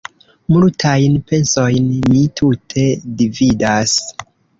Multajn pensojn mi tute dividas.